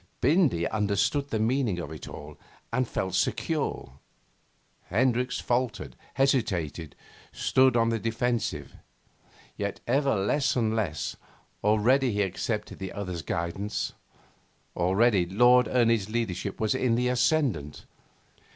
Bindy understood the meaning of it all and felt secure; Hendricks faltered, hesitated, stood on the defensive. Yet, ever less and less. Already he accepted the other's guidance. Already Lord Ernie's leadership was in the ascendant.